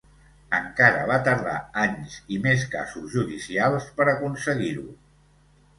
Encara va tardar anys i més casos judicials per aconseguir-ho.